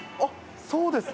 そうですか。